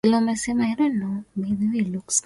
Sayyi Said kuhamia visiwa vya Unguja